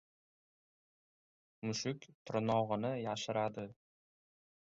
• Mushuk tirnog‘ini yashiradi.